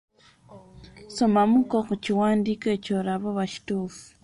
Somamu kko mu kiwandiiko ekyo olabe oba kituufu.